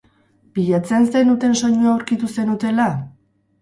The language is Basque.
Bilatzen zenuten soinua aurkitu zenutela?